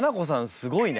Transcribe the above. すごいね。